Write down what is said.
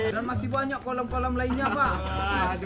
dan masih banyak kolam kolam lainnya pak